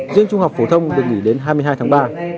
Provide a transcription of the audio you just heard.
riêng trung học phổ thông được nghỉ đến hai mươi hai tháng ba